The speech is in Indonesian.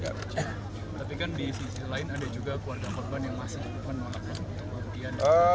tapi kan di sisi lain ada juga keluarga korban yang masih menerima penghentian pencarian